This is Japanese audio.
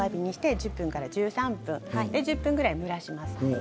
１０分から１３分そして１０分くらい蒸らします。